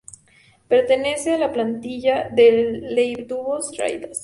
Pertenece a la plantilla del Lietuvos Rytas.